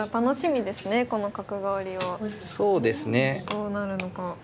どうなるのか。